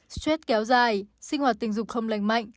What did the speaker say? stress kéo dài sinh hoạt tình dục không lành mạnh